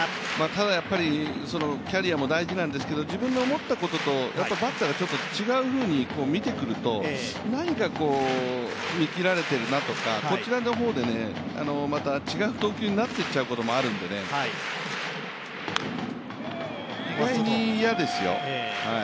ただ、キャリアも大事なんですけど、自分の思ったこととバッターがちょっと違うふうに見てくると、何か見切られてるなとかこちらの方でまた違う投球になっていっちゃうこともあるのでね、嫌ですよ。